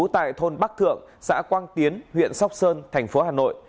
tại thôn bắc thượng xã quang tiến huyện sóc sơn thành phố hà nội